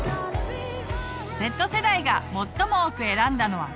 Ｚ世代が最も多く選んだのはＢ。